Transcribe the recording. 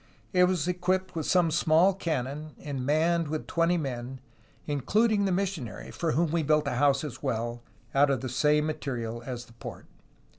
It was equipped with some small cannon, and manned with twenty men, including the missionary, for whom we built a house as well, out of the same material as the fort.